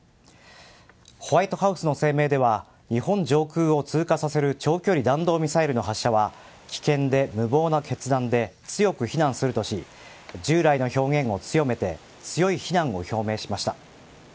ホワイトハウスの声明では日本上空を通過させる長距離弾道ミサイルの発射は危険で無謀な決断で強く非難するとし従来の表現を強めて強い非難を表明しました。